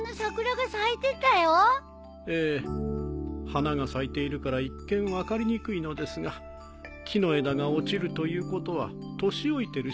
花が咲いているから一見分かりにくいのですが木の枝が落ちるということは年老いてる証拠なんです。